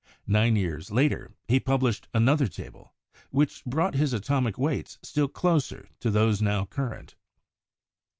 Nine years later he published another table which brought his atomic weights still closer to those now current.